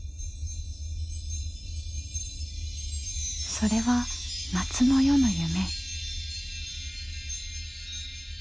それは夏の夜の夢。